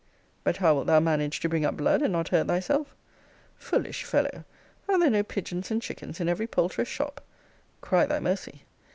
But how wilt thou manage to bring up blood, and not hurt thyself? Foolish fellow! Are there no pigeons and chickens in every poulterer's shop? Cry thy mercy.